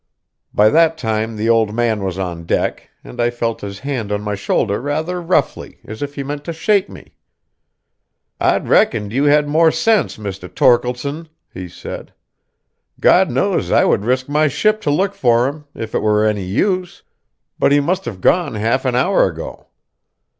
By that time the old man was on deck, and I felt his hand on my shoulder rather roughly, as if he meant to shake me. "I'd reckoned you had more sense, Mr. Torkeldsen," he said. "God knows I would risk my ship to look for him, if it were any use; but he must have gone half an hour ago."